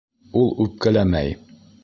Ул үпкәләмәй.